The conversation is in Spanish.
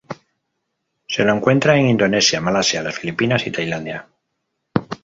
Se lo encuentra en Indonesia, Malasia, las Filipinas y Tailandia.